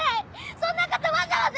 そんなことわざわざ。